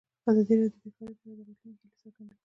ازادي راډیو د بیکاري په اړه د راتلونکي هیلې څرګندې کړې.